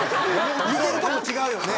見てるとこ違うよね。